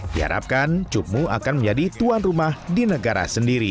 diharapkan cupmu akan menjadi tuan rumah di negara sendiri